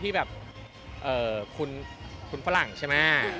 ที่แบบเออคุณฝรั่งใชม